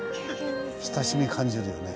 親しみ感じるよね。